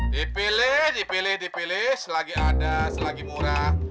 dipilih dipilih dipilih selagi ada selagi murah